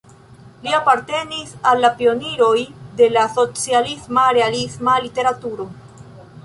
Li apartenis al la pioniroj de la socialisma-realisma literaturo.